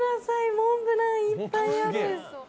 モンブランがいっぱいある！